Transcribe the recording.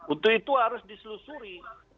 untuk itu harus diselusuri